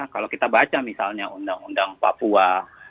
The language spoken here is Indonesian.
kalau kita baca misalnya undang undang papua